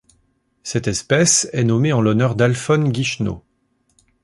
Cette espèce est nommée en l'honneur d'Alphone Guichenot.